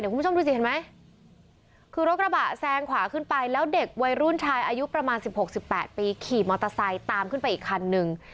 คุณผู้ชมดูสิเห็นไหมคือรถกระบะแซงขวาขึ้นไปแล้วเด็กวัยรุ่นชายอายุประมาณ๑๖๑๘ปีขี่มอเตอร์ไซค์ตามขึ้นไปอีกคันนึง